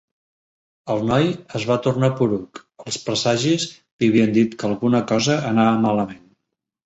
El noi es va tornar poruc, els presagis li havien dit que alguna cosa anava malament.